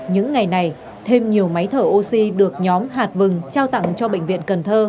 những ngày này thêm nhiều máy thở oxy được nhóm hạt vừng trao tặng cho bệnh viện cần thơ